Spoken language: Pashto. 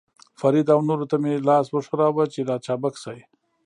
فرید او نورو ته مې لاس وښوراوه، چې را چابک شي.